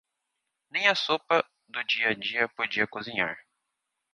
Nem a sopa do dia-a-dia podia cozinhar.